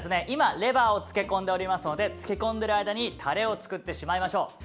今レバーを漬け込んでおりますので漬け込んでる間にタレを作ってしまいましょう。